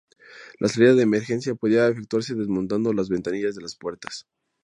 La salida de emergencia podía efectuarse desmontando las ventanillas de las puertas.